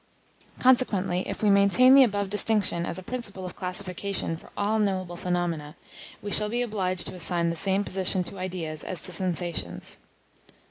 Consequently, if we maintain the above distinction as a principle of classification for all knowable phenomena, we shall be obliged to assign the same position to ideas as to sensations.